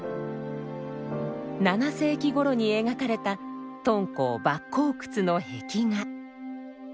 ７世紀ごろに描かれた敦煌莫高窟の壁画。